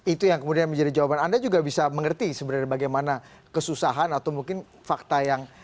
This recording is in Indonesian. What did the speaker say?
itu yang kemudian menjadi jawaban anda juga bisa mengerti sebenarnya bagaimana kesusahan atau mungkin fakta yang